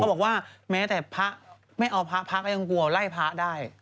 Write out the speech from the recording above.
บอกว่าแม้แต่พระไม่เอาพระพระก็ยังกลัวไล่พระได้